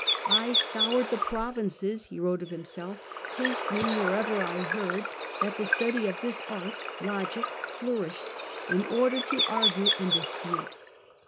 " I scoured the provinces/' he wrote of himself, "hastening wherever I heard that the study of this art (logic) flourished, in order to argue and dispute."